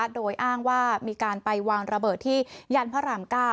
โดยอ้างว่ามีการไปวางระเบิดที่ยันพระราม๙